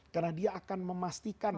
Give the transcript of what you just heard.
karena dia akan memastikan